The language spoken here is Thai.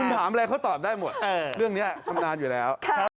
ถามอะไรเขาตอบได้หมดเรื่องนี้ชำนาญอยู่แล้ว